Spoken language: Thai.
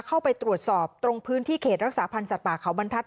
เข้าไปตรวจสอบตรงพื้นที่เขตรักษาพันธ์สัตว์ป่าเขาบรรทัศ